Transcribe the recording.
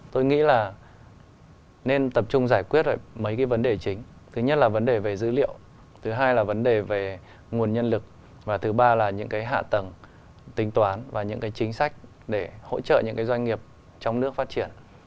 tôi nghĩ là nên tập trung giải quyết mấy cái vấn đề chính thứ nhất là vấn đề về dữ liệu thứ hai là vấn đề về nguồn nhân lực và thứ ba là những cái hạ tầng tính toán và những cái chính sách để hỗ trợ những cái doanh nghiệp trong nước phát triển